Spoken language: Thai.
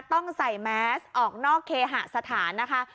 ต้องใส่แมสออกนอกเคหสถานนะคะ